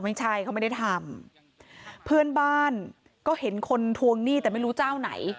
ไม่ใช่เขาไม่ได้ทำเพื่อนบ้านก็เห็นคนทวงหนี้แต่ไม่รู้เจ้าไหน